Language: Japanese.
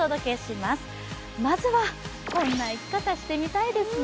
まずは、こんな生き方してみたいですね。